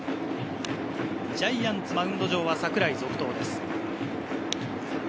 ジャイアンツ、マウンド上は桜井続投です。